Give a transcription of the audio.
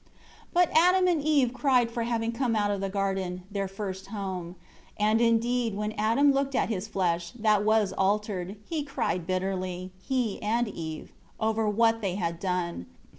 1 But Adam and Eve cried for having come out of the garden, their first home. 2 And indeed, when Adam looked at his flesh, that was altered, he cried bitterly, he and Eve, over what they had done.